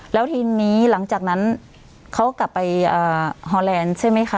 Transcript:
แล้วทีนี้หลังจากนั้นเขากลับไปฮอแลนด์ใช่ไหมคะ